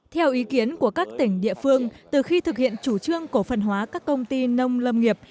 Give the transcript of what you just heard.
theo ý kiến của các tỉnh địa phương từ khi thực hiện chủ trương cổ phần hóa các công ty nông lâm nghiệp